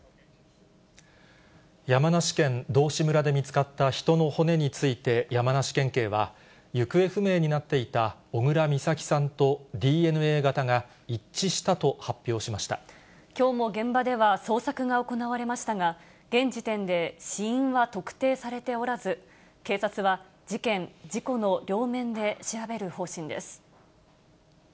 山梨県道志村で見つかった人の骨について、山梨県警は、行方不明になっていた小倉美咲さんとＤＮＡ型が一致したと発表しきょうも現場では捜索が行われましたが、現時点で死因は特定されておらず、警察は事件・事故の両面で調べる方針です。